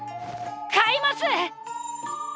買います！